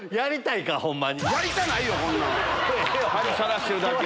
恥さらしてるだけ。